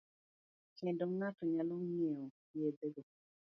Kendo. ng'ato nyalo ng'iewo yedhego